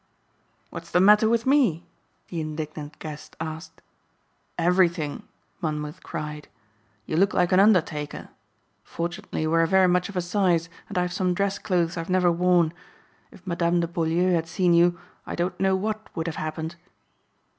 "What's the matter with me?" the indignant guest asked. "Everything," Monmouth cried. "You look like an undertaker. Fortunately we are very much of a size and I have some dress clothes I've never worn. If Madame de Beaulieu had seen you I don't know what would have happened."